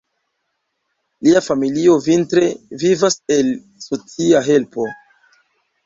Lia familio vintre vivas el socia helpo.